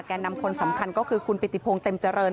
นำคนสำคัญก็คือคุณปิติพงศ์เต็มเจริญ